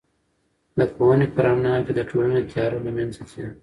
د پوهنې په رڼا کې د ټولنې تیاره له منځه ځي.